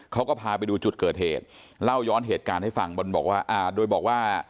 เขาก็พาไปดูจุดเกิดเหตุเล่าย้อนเหตุการณ์ให้ฟังบนบอกว่าอ่าโดยบอกว่า